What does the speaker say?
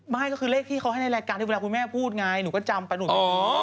ไม่ก็คือเลขที่เขาให้ในรายการที่เวลาคุณแม่พูดไงหนูก็จำไปหนู